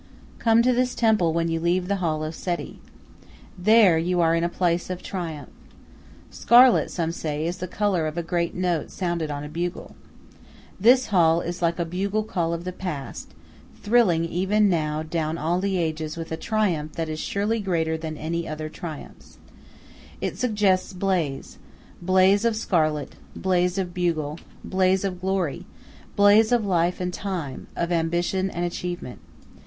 Come to this temple when you leave the hall of Seti. There you are in a place of triumph. Scarlet, some say, is the color of a great note sounded on a bugle. This hall is like a bugle call of the past, thrilling even now down all the ages with a triumph that is surely greater than any other triumphs. It suggests blaze blaze of scarlet, blaze of bugle, blaze of glory, blaze of life and time, of ambition and achievement.